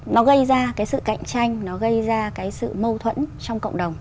nó gây ra sự cạnh tranh nó gây ra sự mâu thuẫn trong cộng đồng